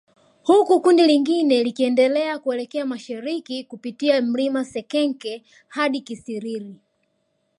Huku kundi lingine likiendelea kuelekea mashariki kupitia mlima Sekenke hadi Kisiriri